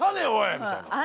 みたいな。